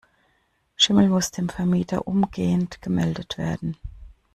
Schimmel muss dem Vermieter umgehend gemeldet werden.